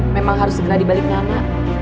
memang harus segera dibalik nak